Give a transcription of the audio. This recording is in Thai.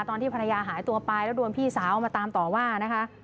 ตอนที่ภรรยาหายตัวไปแล้วโดนพี่สาวมาตามต่อว่านะคะ